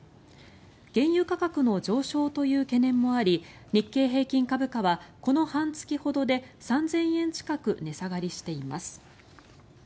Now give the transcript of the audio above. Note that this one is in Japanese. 原油価格の上昇という懸念もあり日経平均株価はこの半月ほどで３０００円近く値下がりしています。